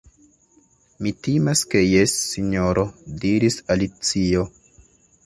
"Mi timas ke jes, Sinjoro," diris Alicio. "